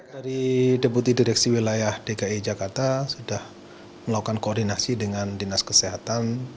dari deputi direksi wilayah dki jakarta sudah melakukan koordinasi dengan dinas kesehatan